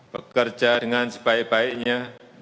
bekerja dengan sebaik baiknya